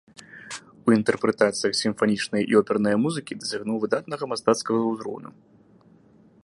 У інтэрпрэтацыях сімфанічнае і опернае музыкі дасягнуў выдатнага мастацкага ўзроўню.